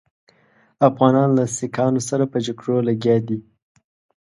افغانان له سیکهانو سره په جګړو لګیا دي.